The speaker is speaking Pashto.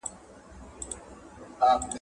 ته په کوم هوټل کې د واده محفل نیسې؟